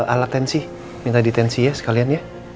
alat tensi minta ditensi ya sekalian ya